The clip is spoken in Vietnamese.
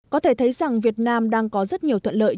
có thể thấy rằng việt nam đang có rất nhiều thuận lợi